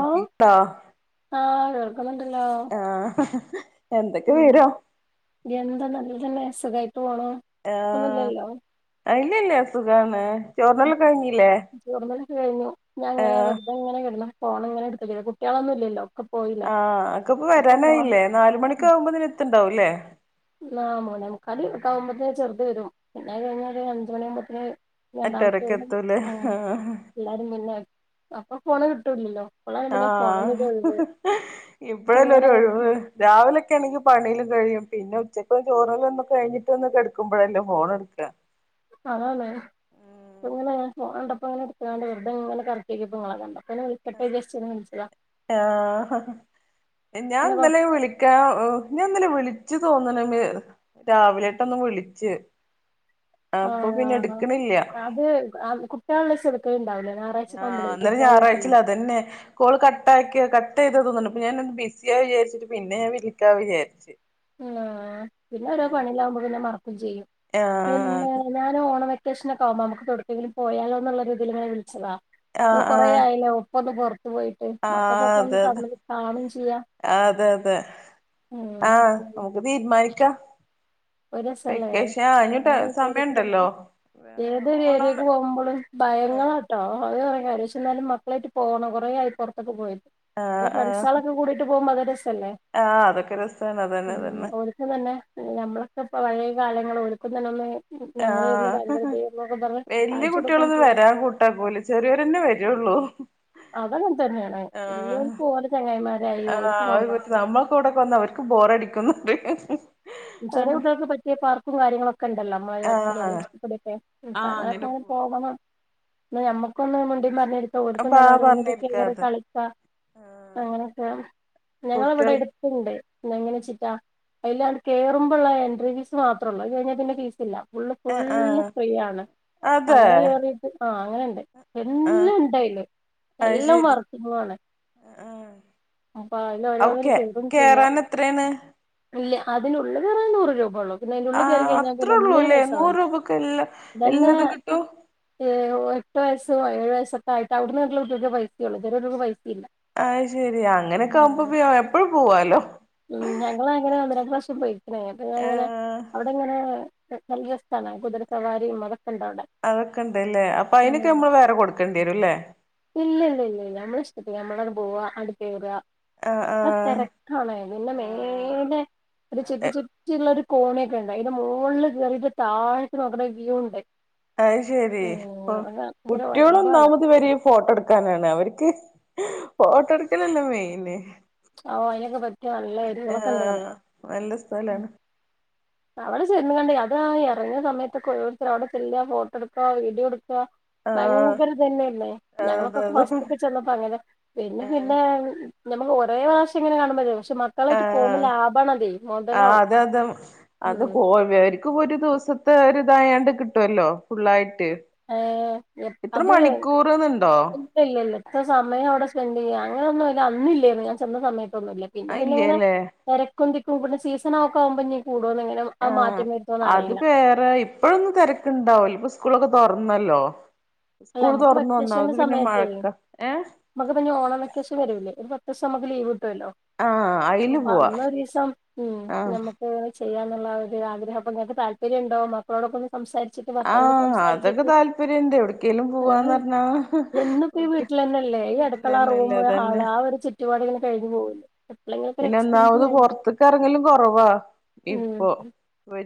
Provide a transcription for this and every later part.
ഓ ആഹ് കേൾക്കുന്നുണ്ടല്ലോ ആഹ ഉം എന്ത നല്ല തന്നെ അസുഖമായി ആഹ ആ ഇല്ലില്ല സുഖാണ് ചോർന്നെല്ലാം കഴിഞ്ഞല്ലേ ചോറുന്നലൊക്കെ കഴിഞ്ഞു ഞാൻ ഇങ്ങനെ വെറതെ ഇങ്ങനെ കിടന്ന് ഫോൺ ഇങ്ങനെ എടുത്തു കുട്ടികളൊന്നും ഇല്ലോ അഹ് അനക്ക് ഇപ്പൊ വരാനായില്ലേ നാല് മണിയൊക്കെ ആകുമ്പോ നി എത്തണ്ടാവുംല്ലേ ആ മൂന്നേമുക്കാല് ഒക്കെ ആവുമ്പോത്തെനും ചെറുത് വരും പിന്നെ കഴിഞ്ഞ ഒരു അഞ്ചുമണിയാകുമ്പോത്തിന് രണ്ടാമത്തെ അട്ടരക്ക് എത്തൂലേ വരുമ്പോ ആഹ് എല്ലാരും പിന്നെ അപ്പൊ ഫോണ് കിട്ടൂല്ലല്ലോ പിള്ളേർ പിന്നെ ഫോണിന്റെ ആഹ് ഒഴിവ് ഇപ്പഴല്ലേ ഒരു [inaudible] ഒഴിവ് രാവിലൊക്കെ ആണെങ്കിൽ പണിയില് കഴിയും പിന്നെ ഉച്ചക്ക് ചോറല്ലാം ഒന്നും കഴിഞ്ഞിട്ട് വന്ന് കെടുക്കുമ്പോഴല്ലേ ഫോൺ എടുക്കാ അതാണ് ഇങ്ങനെ ഞാൻ ഫോൺ കണ്ടപ്പോ ഇങ്ങനെ എടുക്കാണ്ട് വെറുതെ ഇങ്ങനെ കറക്കിനോക്കിയപ്പോ നിങ്ങളെ കണ്ട [unintelligible] ആഹ ഞാൻ പിന്നെ കൊ ഇന്നലെ വിളിക്കാ ഞാൻ ഇന്നലെ വിളി വിളിച്ചു തോന്നണ രാവിലെട്ടൊന്ന് വിളിച്ച് ആ അപ്പൊ പിന്നെ എടുക്കണില്ല അത് കുട്ടികളെ [unintelligible] ഉണ്ടാവലേ ആഹ അന്നേരം ഞായറാഴ്ചയല്ലേ അതന്നെ കാൾ കട്ട ആാക്കിയ ക കട്ട് ചെയ്തു തോന്നുന്നു അപ്പൊ ഞാൻ ബിസിയാ വിചാരിച്ചിട്ട് പിന്നെ ഞാൻ വിളിക്കാന്നു വിചാരിച്ച് അഹ് പിന്നെ ഒരോ പണിയിലാവുമ്പോ പിന്നെ മറക്കും ചെയ്യും ആ പിന്നെ അത് [inaudible] ഞാൻ ഓണം വ വെക്കേഷനൊക്കെ ആകുമ്പോ നമുക്ക് എവിടുത്തെങ്കിലും പോയാലോ എന്നുള്ള ഒരിതിലിങ്ങനെ വിളിച്ചതാ ആ നമ്മൾ ആ കുറേ ആയല്ലോ ഇപ്പൊന്ന് പുറത്തു പോയിട്ട് ആ മക്കൾക്കൊക്കെ ഒന്ന് അതെ അതെ തമ്മില് കാണും ചെയ്യാം ഉം അഹ് നമുക്ക് തീരുമാനിക്കാം ഒരു രസല്ലേ വെക്കേഷൻ ആകാനായിട്ട് അങ്ങനെ സമയം വിചാരിക്കും ഉണ്ടല്ലോ ഏതൊരു ഏരിയക്ക് പോകുമ്പോഴും ഭയങ്ങളാട്ടോ അത് കുറേ കാര്യം എന്നാലും മക്കളായിട്ട് പോണം കൊറേ ആയി പുറത്തൊക്ക പോയി ആ ആ പരീക്ഷകളൊക്കെ കൂടിട്ട് പോക- [inaudible] [unintelligible] ആ അതൊക്കെ രസാണ് അതന്നെ അതന്നെ ഒരുക്കും തന്നെ നമ്മളൊക്കെ ഇപ്പോ പഴയ കാലങ്ങൾ ഒടുക്കുന്നതന്നൊന്ന് ആ ഞങ്ങളെ ഒന്ന് ഭയങ്കരദ വല്യ കുട്ടികളൊന്നും വരാൻ കൂട്ടാക്കൂല ചെറിയൊരന്നെ വരുള്ളൂ അതങ്ങനെ തന്നെയാണ് ആഹ എല്ലോർക്കും ഓലെ ചങ്ങായിമാരായി അഹ് ഓൽക്ക് അവര് പോവാ [unintelligible] നമ്മൾ കൂടൊക്കെ വന്നാൽ അവർക്ക് ബോറടിക്ക ക്കുന്നുണ്ട് ചെറിയക്കുട്ടികൾക്ക് പറ്റിയ പാർക്കും കാര്യങ്ങളൊക്കെ ഒക്കണ്ടല്ലോ അമ്മ അടുത്തുള്ളത് ആഹ് [unintelligible] അങ്ങനൊക്കെ അങ്ങനെ പോകണം ഞമ്മുക്കൊന്ന് മിണ്ടിയും പറഞ്ഞിരിക്കാ ഓർക്കു അപ്പാ ഒന്നില്ല വന്നിട്ട് കേറി പറഞ്ഞിരിക്കാതെ കളിക്ക ആഹ് അങ്ങനെയൊക്കെ ഞങ്ങളിവിടെ കുട്ടികൾ എടുത്തുണ്ട് പിന്നെ എങ്ങനെ ചിറ്റാ അതില് അങ്ങിട് കേറുമ്പോള്ള എൻട്രി ഫീസ് മാത്രേള്ളൂ അത് കഴിഞ്ഞ പിന്നെ ഫീസ് ഇല്ല ഏ അഹ് അങ്ങനെ കേറിട്ട് അഹ് അങ്ങനെ ഇണ്ട് ആഹ് എല്ലാം ഇണ്ടായില് അത് എല്ലാം ശരി വറത്തുന്നാണ് ആഹ് അപ്പ അല്ല അപ്പൊ ഓരോന്നര കേ കേൾക്കും ചെയ്യാ കേറാൻ എത്രയാണ് ഇല്ല അതിനുള്ളത് വെറും നൂറ് രൂപ ഉള്ളു ന്നയിന്റുള്ളി ആഹ് കയറകഴിഞ്ഞാ അത്രേ പിന്നൊന്നിനും ഉള്ളൂല്ലേ പൈസ നൂറ് വേണ്ട. രൂപക്ക് എല്ലാ അതെന്നെ എല്ലതും കിട്ടും ഏ എട്ട് വയസ്സോ ഏഴ് വയസ്സൊക്ക ആയിട്ടവ്ട്ന്നുള്ള കുട്ടികൾക്കെ പൈസ ഉള്ളു. ചെറിയ കുട്ടിയാക്ക് പൈ ഇല്ല അത് ശരി അങ്ങനെയൊക്കെ ആവുമ്പോ [unintelligible] എപ്പഴും പോവാലോ ഞങ്ങളങ്ങനെ ഒന്ന് ര പോയിക്കണു അങ്ങെ ഏഹ് അവിടെങ്ങനെ നിയ സ്ഥല കുതിരസവാരീം അതൊ അതൊക്കെ ഇണ്ട് ല്ലേ അപ്പൊ അയിനൊക്ക മ്മള് വേറെ കൊടുക്കണ്ടി വരുല്ലേ ഇല്ലല്ലല്ലല്ല നമ്മള് ഞമ്മളത് പോവ അങ്ങട്ട് കേറാ ആഹ് അത്ര ആഹ് തെരക്കാണേ പിന്ന മേലേ ഒരു ആഹ് ച്ചുറ്റി ച്ചുറ്റിയുള്ള ഒരു കോണിയൊക്കെ ഉണ്ട്. അയിന്റെ മോള്ള് കേറീട്ട് താഴത്ത് നോക്കുന്ന വ്യൂ ഉണ്ട്. അത് ശരി ഉം അ അത് ഭയങ്കര കുട്ടികള് വൈബാണ് ഒന്നാമത് ഇവരീ ഫോട്ടോ ഇട്ക്കാനാണ് അവർക്ക് ഫോട്ടോടുക്കലല്ലേ മെയ്ന് ആ അതിനൊക്കെ പറ്റിയ നല്ല ആ ഏരിയകളൊക്കെ ഉണ്ട് അവിടെ നല്ല സ്ഥലാണ് അവട ചെന്നുങ്ങാണ്ടി അത് ആ ഇറങ്ങിയ സമയത്തൊക്കെ ഓരോരുത്തര് അവിടെ ചെല്ല ഫോട്ടോ എടുക്ക വീഡിയോ എടു [unintelligible] ആഹ് ഭയങ്കരതന്നെല്ലേ ഞങ്ങളൊക്കെ അതെ അതെ ഫസ്റ്റൊക്കെ ചെന്നപ്പോ അങ്ങനെ പിന്നെ ആഹ് പിന്നെ ഞമ്മക്ക് ഒരേ പ്രാവശ്യം ഇങ്ങനെ കാണുമ്പഴേ പക്ഷെ മക്കളായിട്ട് പോകുമ്പം ലാഭാണതേ ആഹ് മോതലാവും. അതെ അതെ അത് [unintelligible] ഇവര്ക്കും ഒരു ദിവസത്തെ ഒരിതായാണ്ട് കിട്ടുവല്ലോ ഫുള്ളായി ഏ അത് മണിക്കൂർന്നുണ്ടോ ഇല്ലല്ല ഇത്ര സമയം അവിടെ സ്പെൻ ടെയാ അങ്ങനൊന്നും അയല് അന്നില്ലേര്ന്നു. ഞാൻ ചെന്ന സമയത്തൊന്നു ഇല്ല പിന്ന അത് പിന്ന ഇങ്ങനെ ഇല്ലല്ലേ തിരക്കും തിക്കും പിന്നെ സീസ സണക്കാമ്പോ ഇനി കൂടോന്നെങ്ങനെ ആ മാ ആഹ് അത് പേറെ ഇപ്പഴൊന്നും തിരക്കുണ്ടാവൂല ഇപ്പ സ്കൂളൊക്കെ തൊറന്നല്ലോ അല്ല സ്കൂൾ നമ്മക്ക് തുറന്ന് വെക്കേഷന്റെ ഒന്നാമത് പിന്നെ സമയത്തേ മഴക്ക ഏഹ് നമുക്ക് പിന്നെ ഓണം വെക്കേഷൻ വരൂല്ലേ ഒരു പത്തൂസമ്മക്ക് ലീവ് കിട്ടു വല്ലോ ആഹ് അയില് അപ്പൊ പോവാ അന്നരീസം ഉം ആഹ് ഞമ്മക് ചെയ്യാ എന്നുള്ള ഒരു ആഗ്രഹ അപ്പൊങ്ങക്ക് താല്പര്യണ്ടോ മക്കളോടൊക്കൊന്ന് ആ അതൊക്കെ താല്പര്യണ്ട് എവിട് ക്കെലും പോവാന്ന് പറഞ്ഞാ എന്നുപ്പ ഈ വീട്ട് വീട്ടിലന്നെല്ലേ ഈ അടുക്കള വീട്ടിലന്നെ ല്ലേ റൂമ് അതന്നെ ഹാള് ആ ഒരു ചുറ്റുപാടിങ്ങനെ ആ കഴിഞ്ഞു പോവല്ലേ എപ്പളെങ്കിലൊക്കെ ഒരു പിന്നെ എക്സ്പീരിയൻസ് ഒന്നാമത് വേണം പൊർത്ത്ക്ക് എറങ്ങലും കൊറവാ ഇപ്പൊ വ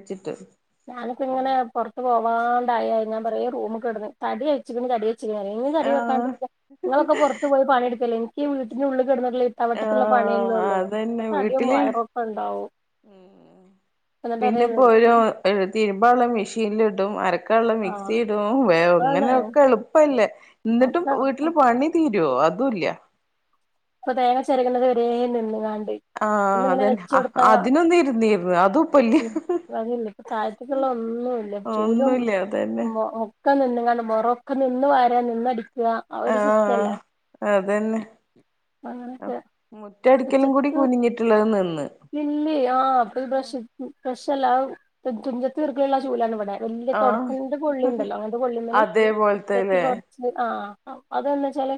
ഞാനിപ്പങ്ങനെ പൊർത്ത് പോവാണ്ടായാ ഞാൻ പറയും ഈ റൂമ് കെടന്ന് തടി വെച്ച് ക്ണ് തടി എങ്ങനെ തടി ആഹ് വെക്കാണ്ടിരിക്ക? നിങ്ങളൊക്കെ പുറത്ത് പോയി പണിഎടുക്കല്ലേ എനിക്ക് വീട്ടിനുള്ളി ക്കെട്ന്നുള്ള ഇട്ടാ വട്ടത്തിലുള്ള പണിയല്ലേ ആഹ് ഉള്ളൂ അപ്പ അതന്നെ തടിയും വീട്ടില് വയറൊക്കെ ഇണ്ടാവും പിന്നെപ്പോ ഒരു തിരുമ്പാ ഉള്ളെ മെഷീനിലിടും അരക്കാള്ള മിക്സി ആഹ് ഇടും വേ ആണ് ഇങ്ങനെയൊക്കെ എളുപ്പല്ലേ എന്നിട്ടും വീട്ടില് പണി തീരോ അതുല്യ ഇപ്പൊ തേങ്ങ ചെരകണത് വരേ നിന്ന്ങ്ങാ ആഹ് ഒന്നിങ്ങനെ അതന്നെ വെച്ചോടുത്താ അതിനൊന്ന് ഇരുന്നിരുന്നു അതും ഇപ്പല്ല ഉം അതിയന്നെ താഴ്ത്തേക്കുള്ള ഒന്നുല്ല ചൂലും ഒന്നുല്ല അതന്നെ ഒക്ക നിന്ന നടുമ്പൊറോക്ക നിന്ന് വാര നിന്നടിക്കാ ആ ഒരു സിസ്റ്റല്ലേ തന്നെ ആ അങ്ങനൊക്കെ മുറ്റടിക്കലും കൂടി ഉച്ചക്ക് കുനിഞ്ഞിട്ടുള്ളത് നിന്ന് ഒരു ബ്രഷ് ബഷല്ല തുഞ്ചത്ത് ഈർക്കിലുള്ള ചൂലാണ് ഇവ ന്താ വല്യ ആഹ് തൊടപ്പിന്റെ കൊള്ളിണ്ടല്ലോ അങ്ങനത്തെ കൊള്ളിമല് അതേപോലത്തെല്ലേ [unintelligible] ആഹ് അതെന്നെച്ചാല്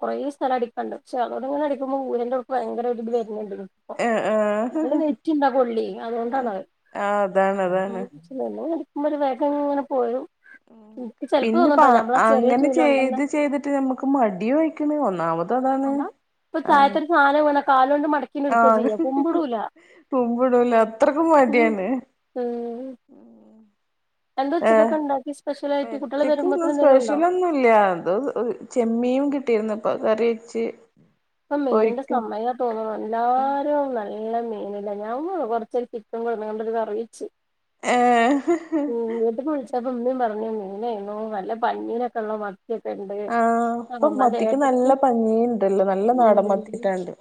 കൊറേ സ്ഥലം അടിക്കാണ്ട്. പക്ഷെ അതോടെങ്ങനെ അടിക്കുമ്പോ ഊരന്റെൾ ഭയങ്കര ഒരു ഇത്‌ വ [unintelligible] ഏഹ് നല്ല ഏഹ് വെയിറ്റ് ഇണ്ടാ കൊള്ളി അതുകൊണ്ടാണത് ആഹ് അതാണ് അതാണ് [unintelligible] ക്കുമ്പോ ഒരു വേഗം ഇങ്ങനെ പോരും ഉം എനിക്ക് ചെലപ്പോ പിന്നെ ഇപ്പ തോന്നുട്ടോ അ ഞമ്മളാ ചെറിയ അങ്ങനെ ചൂലോണ്ടന്നെ ചെയ്ത് ചെയ്തിട്ട് നമ്മുക്ക് മടിയും ആയിക്ക്ണ് ഒന്നാമത് അതാണ് അത ഇപ്പൊ ആഹ് തായത്തൊരു സാനം വീണ കാലൊണ്ട് മടക്കി ണ്ട് ഇട്ക്കാ ആഹ് ചെയ്യാ കുമ്പിടൂല കുമ്പിടൂല അത്രക്കും ഉം മടിയാണ് ഉം എന്ത ഉച്ചക്കൊക്കെ ഇണ്ടാക്കി ഒച്ചക്ക് ഒന്ന് സ്പെഷ്യലൊന്നും ഇല്ല. [unintelligible] ചെമ്മീും കിട്ടിന്ന്. പ്പ കറി വെച്ച്. പ്പ. മീന്റെ പൊരിക്കും സമയം തോന്നുന്നു എല്ലാരും. നല്ല മീനില്ല ഞാൻ [unintelligible] കൊറച്ച ചിക്കൻ കൊണ്ടന്ന കറി വെച്ച്. ഏ മ് ഇങ്ങട്ട് ബ് പ്പമ്മീം. ഇന്നും പറഞ്ഞോ മീനയ്നൂ നല്ല പഞ്ഞീനൊക്കെ ഉള്ള മ [unintelligible] ണ്ട് ആഹ് ഇപ്പൊ അഹമാന്റെ മത്തിക്ക് നല്ല ഏട്ടത്തിം. പഞ്ഞിണ്ടല്ലോ നല്ല നാടൻ ഉഠ. മത്തിട്ടാണ്ട്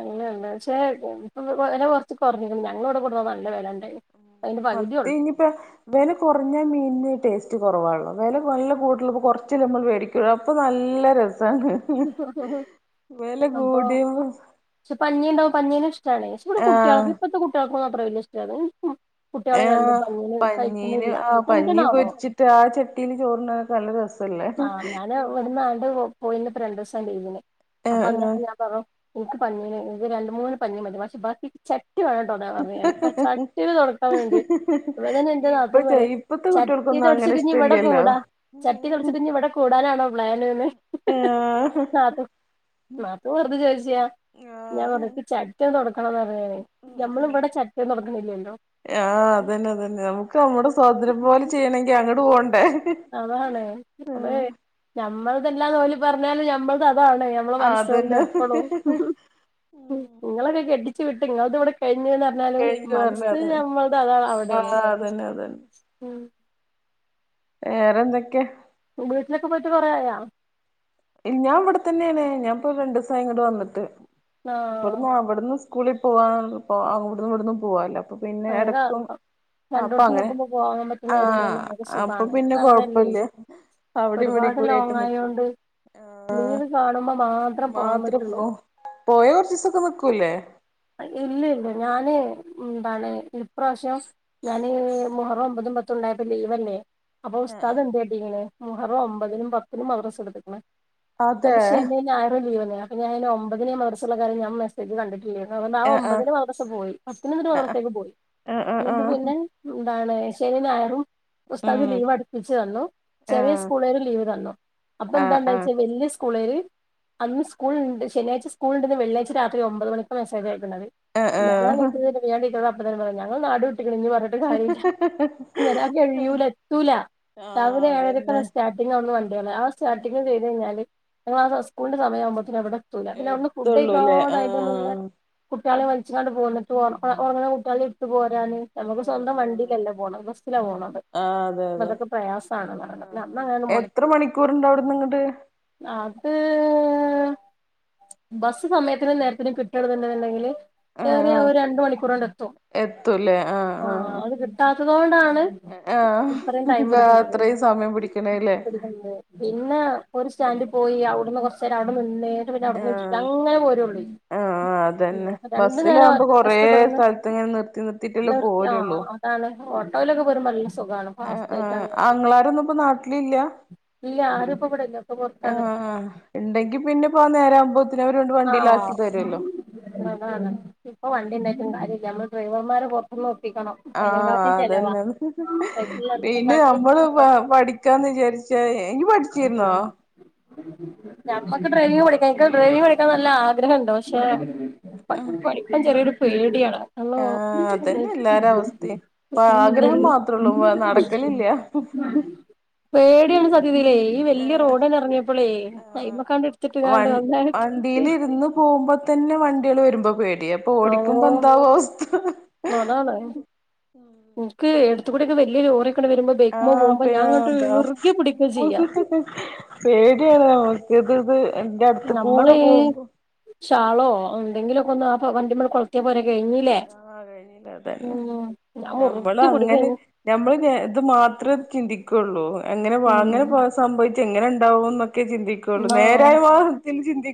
അങ്ങനെയണ്ട് ക്ഷ. വില കുറച്ച് കുറഞ്ഞിുന്നു ഞങ്ങളോട്ടെ കൊടുാ നല്ല വില ഉണ്ടായി മത്തി. ഇനിയിപ്പ വേല കുറഞ്ഞാ മീന ടേസ്റ്റ്. കുറവാണല്ലോ വില നല്ല കൂട്ടുള്ള കുറച്ച നമ്മൾ മേടിക്ക അപ്പോൾ നല്ല രസ ഹ ഹ വില കൂടിയോവ പങ്ങിന് ഇഷ്ടാണ്പക്ഷെഇവിടെ കുട്ടികൾക്ക ഇപ്പത്തെ കുട്ടികൾക്കൊും അത്ര വലിയ ഇഷ്ടാണ്. ഉം ഉം. ആ. പഞ്ഞീന് ആ പഞ്ഞി എന്തിനാവോ പൊരിച്ചിട്ട് ആ ചട്ടീല് ചോറിനൊക്കെ നല്ല രസ. ആഹ് ഞാന് ഇവട്ന്ന് ആണ്ട് പോ പോയിന്നി ഇപ്പ രണ്ടുസം ലീവിന് അപ്പൊ ആഹ് അന്ന് ആഹ് ഞാൻ പറഞ്ഞു. എനിക്ക് പഞ്ഞിന്ന് രണ്ട് മൂന്ന് പഞ്ഞീം. മതി ബാക്കി ച [unintelligible] ചട്ടിനെതുടക്കാൻ വേണ്ടി ഇങ്ങട്ട്‌, ഇപ്പൊ നാത്തൂൻപറയാ ചെയ് ഇപ്പത്തെ ചട്ടി കുട്ടികൾക്കൊന്നും അങ്ങനെ തൊടിച്ചിട്ടഞ്ഞ് ഇവിടെ ഇഷ്ടല്ലല്ലോ കൂടാ ചട്ടി തൊടിച്ചിട്ട്ഞ്ഞ് ഇവിടെ കൂടാനാണോ പ്ലാന്. ആഹ് നാത്തു നാത്തൂൻ വെറുതെ ചോ ഞാൻ പറഞ്ഞു ആഹ് ക്ക് ചട്ടി തെടക്കണം പറഞ്ഞ്, നമ്മള ഉം ഇവിടെ ചട്ടി തുടക്കണിലല്ലോ. ആഹ്. അതന്നെ അതന്നെ നമക്ക് നമ്മുടെ സ്വാതന്ത്ര്യം പോലെ ചെയ്യണമെങ്കി അങ്ങോട്ട് പോകണ്ടേ, അതാണ് അതെ നമ്മളതല്ലാന്ന് ഓല് പറഞ്ഞാലും നമ്മൾ അ അതാണ്, നമ്മള് മനസ്സുകൊണ്ട് അതന്നെ എപ്പോഴും. നിങ്ങളൊക്കെ കെട്ടിച് വിട്ട് നിങ്ങൾ ദ് ഇവിടെ കഴിഞ്ഞുന്ന് പറഞ്ഞാലും, കഴിഞ്ഞു പറഞ്ഞ മനസ്ന അതന്നെ നമ്മൾട അതാ അവി ആഹ് തന്നെ അതന്നെ. ഉം വേറെന്തൊക്കെയാ? വീട്ടിലൊക്കെ പോയിട്ട് കുറേയായോ? ഞാൻ ഇവിടെ തന്നെയാണ്. ഞാൻഇപ്പം രണ്ടിസായി, ഇങ്ങട്ട്‌, വന്നിട്ട് ആഹ് ഇവിടന്ന് അവിടുന്ന് സ് കൂളി പോവാ പ്പോ അവിട്‌ന്നും ഇവിടന്നും പോവാല്ലോ അപ്പൊ പിന്നെ അങ്ങനെ എടക്കും രണ്ടോടത്തും അപ്പങ്ങനെ നിക്കുമ്പോ പോകാൻ പറ്റുന്ന ഏരിയ തന്നെ ആഹ് നിങ്ങൾക്ക് അപ്പം സുഖാണ് പിന്നെ എനിക്ക് കൊഴപ്പല്ല അവിടെ ഇവിടി പ്പം ലോങ്ങ് ആയോണ്ട് ലീവ് കാണു മാത്ര പോ പോയ കൊറച്ചിസൊക്കെ നിക്കൂല്ലേ? ഇല്ലെയ് ഇല്ല ഞാന് ന്താണ് ഇപ്രാവശ്യം ഞാന് മുഹറം ഒമ്പത് പത്തും ഉണ്ടായപ്പം ലീവല്ലേ. അപ്പൊ ഉസ്താദ് എന്താട്ടിക്ക്ണ് മുഹറം ഒമ്പതിനും പത്തിനും മദ്രസ എടുത്തിക്ക്ണ്. അതെ ഓല് ശനിം, ഞായറും ലീവ് തന്നീനിം അപ്പം ഞാൻ ഒമ്പതിന് മദ്രസ്ള്ള കാര്യം ഞാൻ മെസേജ് കണ്ടിട്ടില്ലെ ആഹ് ആ ആ ഒമ്പതിന് മദ്രസ പോയി പത്തിന്ന് ഇന്നിട്ട് ആ മദ്രസക്ക് പോയി ആ ആ ആ ഇന്നിട്ട് പിന്നെ. ഇതാണ് ശനി ഞായറും. ഉസ്താദ് ഉം ലീവ് അടുപ്പിച്ചു തന്നു. ആ ചെറിയ സ്കൂൾ ആരും ലീവ് തന്നു അപ്പൊ ആ എന്താ ആ ആ ണ്ടച്ചാ വല്യ സ് സ്ക്കൂളാര് അന്ന് സ്ക്കൂള്ണ്ട് ശനിയാഴച്ച സ്കൂള്ണ്ട്ന്ന് വെള്ളിയാഴ്ച രാത്രി ഒമ്പത് മണിക്ക മെസേജ് അയ യക്ക്ണത് ആ ആ ഞാൻ ടീച്ചറോട് അപ്പത്തന്നെ പറഞ്ഞു, ഞങ്ങൾ നാടുവിട്ടുക്ക്ണ് ഇനി പറഞ്ഞിട്ട് കാര്യല്ല. ഒരാക്ക് കഴിയൂല എത്തൂല. രാവിലെ എഴരക്കാണ് അതന്നെ സ്റ്റാർട്ടിങ് അവിടുന്ന് വണ്ടികള് ആഹ് സ്റ്റാർട്ടിങ് കയറി കഴിഞ്ഞാല് ഞങ്ങള് ആത സ്കളിന്റെ സമയം ആവുമ്പോത്തിന് അവിടെത്തൂല്ല പിന്നെ അവിടുന്ന് എത്തുള്ളൂല്ലേ ഫുഡയ്ക്കാതെ അയ്ന്റെ ആ മുന്നേ കുട്ട്യാളെ വലിച്ച്ങ്ങാണ്ട് പോന്നിട്ടും ഒ ഒറങ്ങ്ണെ കുട്ടികളീം ഇടുത്തുപോരാന്. നമുക്ക് ആഹ് സ്വന്തം ആഹ് ആഹ് വണ്ടിയിലല്ല പോണത് ബസ്സിലാ പോണത്. അതെ അപ്പൊ അതെ അതൊക്കെ പ്രയാസാണ് പറയണത് പിന്നെ അന്ന് ആഹ് അങ്ങനെ എത്ര മൊടക്കി മണിക്കൂർണ്ട് അവിട്ന്ന് ഇങ്ങട്ട്. ഇങ്ങട്ട് ബസ്സ് സമയത്തിനും നേരത്തിനും കിട്ടണ്‌ന്ന്ണ്ടെന്ന്ങ്കില് ആഹ് ഏറിയ ആഹ് ഒരു രണ്ട് മണിക്കൂറ്കൊണ്ട് എത്തും. ആഹ് അത് കിട്ടാത്തത് കൊണ്ടാണ് ഇത്രേം ടൈമ് ആഹ് ആഹ് എടുക്കണത്. അത്രയും സമയം പിടിക്കണല്ലേ പിടിക്ക്ണത് ഉം പിന്നെ ഉം ഒരു സ്റ്റാന്റ് പോയി അവിടുന്ന് കൊറച്ചേരം അവിടെ നിന്ന് ട്ട് പിന്നെ അവടുന്ന് വിട്ട് ആഹ് അങ്ങനെ പോരൊള്ളോയ് ആഹ് ഉം അതന്നെ അപ്പ രണ്ടു നേരം ബസ്സിലാകുമ്പോ ബസ്സ് കൊറേ ഇബടുന്ന് സ്ഥലത്ത് ഇങ്ങനെ നിർത്തി നിർത്തിട്ടല്ലേ നിർത്തി ആഹ് പോരുള്ളൂ അതാണ് ഓട്ടോയിലൊക്കെ പോരുമ്പല്ല സ് സൊ ആഹ് ആഹ് ക്കാണുമ്പോ ആങ്ങളാരൊന്നും ഇപ്പോ നാട്ടിലില്ല ‌ [unintelligible] ഇല്ല ആരും ഇപ്പ ഇവിടെല്ല ഒക്കെ പുറത്താണ് ആഹ് ഇണ്ടെങ്കി പിന്നെപ്പോനേരാവുമ്പോത്തിന് അവര് ങ്ങട് വണ്ടിലാക്കി തെരൊല്ലോ. അതാണ്‌ ഇപ്പ വണ്ടിണ്ടായിട്ടും കാര്യല്ല അമ്മള് ഡ്രൈവർമാരെ പൊർത്ത്നോ ആഹ് അതെന്നെ പിന്നെ അമ്മള് പാ പഠിക്കാന്ന് വിചാര്ച്ചായെ ഇയ്യ് പഠിച്ചിര്ന്നോ? ഞമ്മക്ക് ഡ്രൈവിംഗ് പഠിക്കാം എക്ക് ഡ്രൈവിംഗ് പഠിക്കാൻ നല്ല ആഗ്രഹണ്ട് പക്ഷെ [unintelligible] പഠിക്കാൻ ചെറിയൊരു പേട്യാണ്. ഹലോ അതെന്നെ എല്ലാരവസ്‌ഥിം പ്പ ആഗ്രഹം മാത്രൊള്ളൂ നടക്കലില്ല. പേട്യാണ് സത് ത്യത്തിലേ ഈ വെല്ല്യ ഏഹ് റോഡാടെർങ്ങ്യപ്പളേ ആഹ് കൈമക്കാണ്ട്ട്ത്ത്ട്ട്ക്കാണ്ട് ഒന്നാണ്ട് [unintelligible] ന്നു പോവുമ്പത്ത് വണ്ട്യേള് വെരുമ്പോ പേ ഓഹ് അതാണ് ഇൻക്ക് എട്ത്ത് ക്കൂടെക്കെ വെല്ല്യ ലോറിക്കണ്ട് വെരുമ്പോ ബെയ്ക്ക് മ്മേ ആഹ് പേ ആഹ് താ പേട്യാണ് ഓ [unintelligible] ഇന്റെ അടുത്ത് കൂടെ നമ്മള് പോവുമ്പോ ഷാളോ എന്തെങ്കിലൊക്കൊന്ന് ആ വണ്ടിമേൽ കൊളത്തിയ പോരെ കഴിഞ്ഞില്ലേ. ആഹ് അതന്നെ നമ്മളു പിടിക്കും അങ്ങനെ അയ്നെ നമ്മള് ഇത് മാത്രം ചിന്തി ക്കൊള്ളൂ എങ്ങനെ ഉം വാങ്ങനെപോ സംഭവിച്ച എങ്ങനെണ്ടാവോന്നൊ ക്കെ ചിന്തിക്കൊള്ളൂ നേരായ മാർഗത്തിൽ ചിന്തി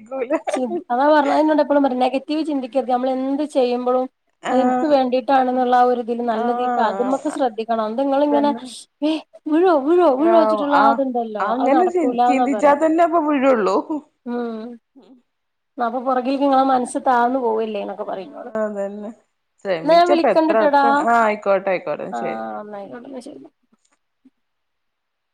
ചിൻ അതാ പറഞ്ഞഅതാ നിന്നോടെപ്പോഴും പറഞ്ഞേ നെഗറ്റീവ് ചിന്തിക്കരുത് നമ്മളെന്ത് ചെയ്യുമ്പോഴും അയെൻക്ക് ആഹ് വേണ്ടീട്ടാണെന്നുള്ള ആ ഒരിതില് നല്ലതീ ആഹ് കാർഡുംമക്ക് ശ്രദ്ധിക്കണം ഇതിങ്ങളിങ്ങനെ അതന്നെ വീഴുവോ വീഴുവോ ആഹ് വീഴുവോച്ചിട്ടുള്ള ആഹ് ആത്ണ്ടല്ലോ അത് അങ്ങനെ ചി നടക്കൂലന്ന പറ ചിന്തിച്ചാൽ ആ ഉം അപ്പൊ പൊറകിരിക്കണ ആളെ മനസ് താന്നു പോവല്ലേ എന്നൊക്കെ പറയുമ്പള്. ആഹ് അതന്നെ ന്നാൻ ശ്രമിച്ചപ്പ എത്ര വിളിക്കണ്ടിട്ടാടാ ആൾക്കാ ആഹ് ആയിക്കോട്ടെ ആയിക്കോട്ടെ ആ ശരി ന്നായിക്കോട്ടെ ന്നാ ശരി.